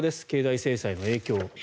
経済制裁の影響。